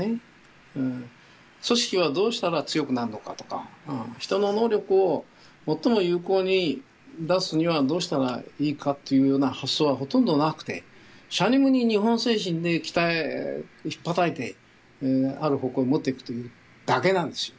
組織はどうしたら強くなんのかとか人の能力を最も有効に出すにはどうしたらいいかっていうような発想はほとんどなくてしゃにむに日本精神で鍛えひっぱたいてある方向に持っていくというだけなんですよ。